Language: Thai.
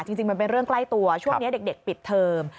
จริงมันเป็นเรื่องใกล้ตัวช่วงนี้เด็กปิดเทอม